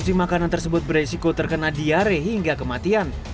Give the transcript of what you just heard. produksi makanan tersebut beresiko terkena diare hingga kematian